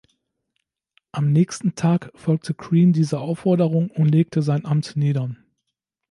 Am nächsten Tag folgte Crean dieser Aufforderung und legte sein Amt nieder.